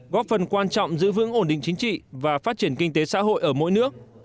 góp phần quan trọng giữ vững ổn định chính trị và phát triển kinh tế xã hội ở mỗi nước